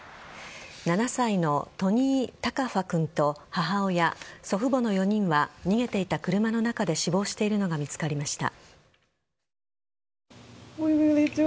７歳のトニー・タカファ君と母親、祖父母の４人は逃げていた車の中で死亡しているのが見つかりました。